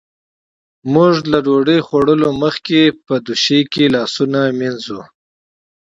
موژ له ډوډۍ خوړلو مخکې په چیلیمچې کې لاسونه مينځو.